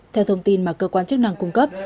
theo thông tin mà cơ quan chức năng cung cấp